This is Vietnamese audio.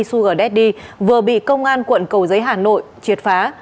sugar daddy vừa bị công an quận cầu giấy hà nội triệt phá